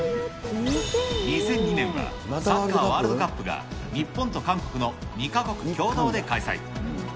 ２００２年はサッカーワールドカップが日本と韓国の２か国共同で開催。